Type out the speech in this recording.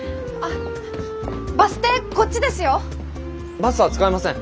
バスは使いません。